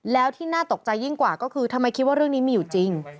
แล้วที่น่าตกใจยิ่งกว่าก็คือทำไมคิดว่าเรื่องนี้มีอยู่จริง